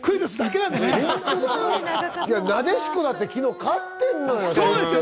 なでしこだって、昨日勝ってんのよ。